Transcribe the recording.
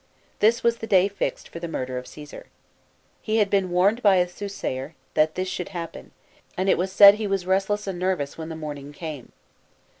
This was the day fixed for the murder of Caesar. He had been warned by a soothsayer, that this should happen, and it ip said he was restless and nervous, when the morning came.